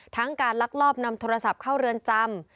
ทั้งการลักลอบนำโทรศัพท์เข้าเรือนจำ